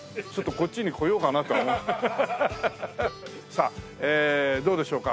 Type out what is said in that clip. さあどうでしょうか。